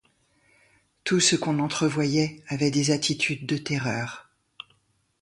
Tout ce qu'on entrevoyait avait des attitudes de terreur.